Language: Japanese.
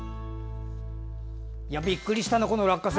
びっくりしたなこの落花生。